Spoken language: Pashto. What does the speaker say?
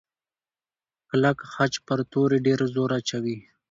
کلک خج پر توري ډېر زور اچوي.